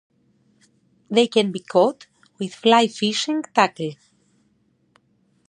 They can be caught with fly fishing tackle.